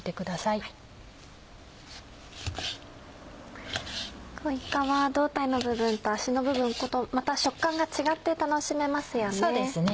いかは胴体の部分と足の部分また食感が違って楽しめますよね。